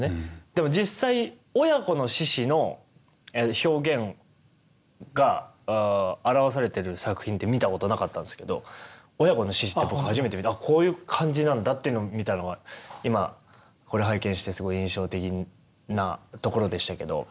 でも実際親子の獅子の表現が表されてる作品って見たことなかったんですけど親子の獅子って僕初めて見てあこういう感じなんだっていうみたいのが今これを拝見してすごい印象的なところでしたけど。